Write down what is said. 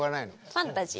ファンタジーです。